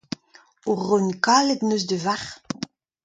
Ur reun kalet en deus da varc'h.